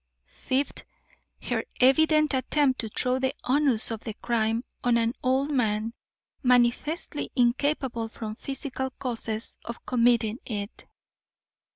Fifth Her evident attempt to throw the onus of the crime on an old man manifestly incapable from physical causes of committing it.